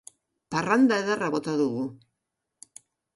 Parranda ederra bota dugu